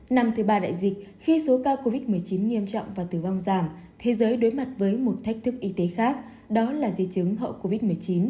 năm thứ ba đại dịch khi số ca covid một mươi chín nghiêm trọng và tử vong giảm thế giới đối mặt với một thách thức y tế khác đó là di chứng hậu covid một mươi chín